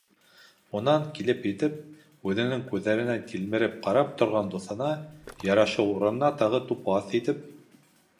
Унан, килеп етеп, үҙенең күҙҙәренә тилмереп ҡарап торған дуҫына, ярашыу урынына тағы тупаҫ итеп: